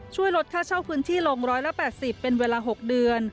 ช่วยลดค่าเช่าพื้นที่ลง๑๘๐เป็นเวลา๖เดือน